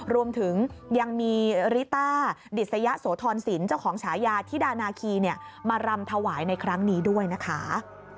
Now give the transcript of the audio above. รวมถึงยังมีริต้าดิสยะโสธรสินเจ้าของฉายาธิดานาคีมารำถวายในครั้งนี้ด้วยนะคะ